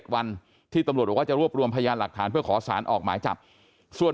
วันที่ตำรวจบอกว่าจะรวบรวมพยานหลักฐานเพื่อขอสารออกหมายจับส่วน